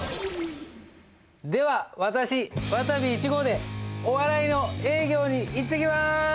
では私わたび１号でお笑いの営業に行ってきます！